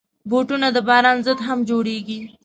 بوټونه د باران ضد هم جوړېږي.